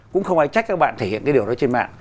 cũng không ai trách các bạn thể hiện cái điều đó trên mạng